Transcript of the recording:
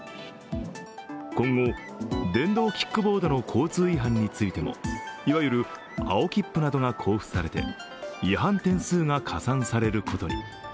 今後、電動キックボードの交通違反についてもいわゆる青切符などが交付されて、違反点数が加算されることに。